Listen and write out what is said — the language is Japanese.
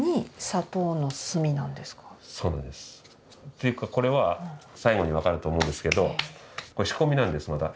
っていうかこれは最後に分かると思うんですけどこれ仕込みなんですまだ。